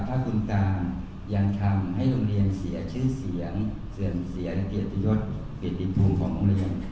ถ้าคุณตายังทำให้โรงเรียนเสียชื่อเสียงเสื่อมเสียเกียรติยศเกียรติภูมิของโรงเรียน